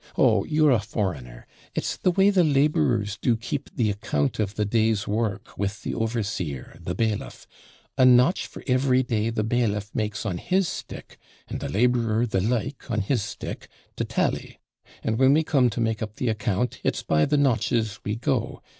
Oh, you're a foreigner; it's the way the labourers do keep the account of the day's work with the overseer, the bailiff; a notch for every day the bailiff makes on his stick, and the labourer the like on his stick, to tally; and when we come to make up the account, it's by the notches we go.